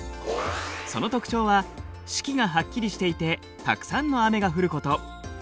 その特徴は四季がはっきりしていてたくさんの雨が降ること。